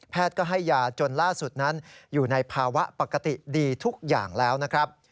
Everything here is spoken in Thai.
ก็ให้ยาจนล่าสุดนั้นอยู่ในภาวะปกติดีทุกอย่างแล้วนะครับ